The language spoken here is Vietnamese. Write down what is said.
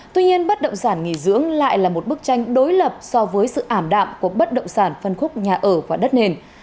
tuy nhiên bất động sản nghỉ dưỡng lại là một bức tranh đối lập so với sự ảm đạm của bất động sản phân khúc nhà ở và đất nền